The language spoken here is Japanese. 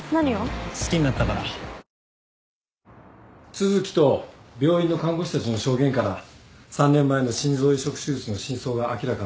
都築と病院の看護師たちの証言から３年前の心臓移植手術の真相が明らかになったよ。